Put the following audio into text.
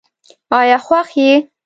آیا خوښ یې؟